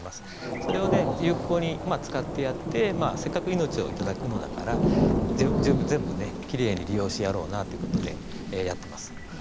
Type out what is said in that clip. それを有効に使ってせっかく命をいただくんだから全部きれいに利用してやろうということでやっています。